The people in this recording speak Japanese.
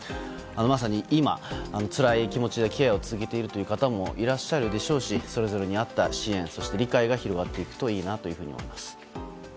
まさに今、つらい気持ちでケアを続けている方もいらっしゃるでしょうしそれぞれに合った支援そして理解が広がっていくといいなと思います。